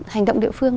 hành động địa phương